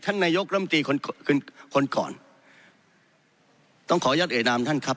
ท่านนายยกรัมตีคนก่อนต้องขออย่าเดี๋ยวดามท่านครับ